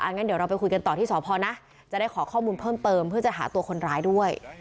งั้นเดี๋ยวเราไปคุยกันต่อที่สพนะจะได้ขอข้อมูลเพิ่มเติมเพื่อจะหาตัวคนร้ายด้วย